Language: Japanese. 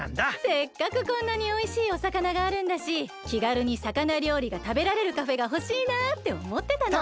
せっかくこんなにおいしいおさかながあるんだしきがるにさかなりょうりがたべられるカフェがほしいなあっておもってたの。